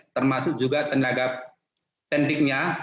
termasuk juga tenaga pendidiknya